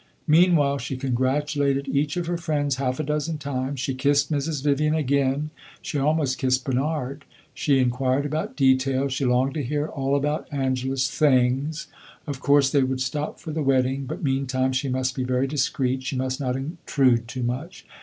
Meanwhile she congratulated each of her friends half a dozen times; she kissed Mrs. Vivian again, she almost kissed Bernard; she inquired about details; she longed to hear all about Angela's "things." Of course they would stop for the wedding; but meantime she must be very discreet; she must not intrude too much.